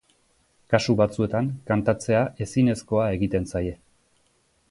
Kasu batzuetan kantatzea ezinezkoa egiten zaie.